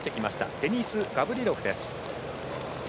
デニス・ガブリロフです。